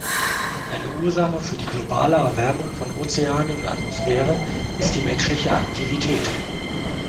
Eine Ursache für die globale Erwärmung von Ozeanen und Atmosphäre ist die menschliche Aktivität.